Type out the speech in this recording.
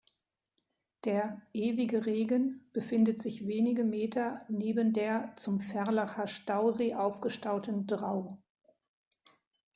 Der "Ewige Regen" befindet sich wenige Meter neben der zum Ferlacher Stausee aufgestauten Drau.